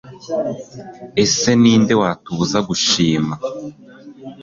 ese ninde watubuza gushima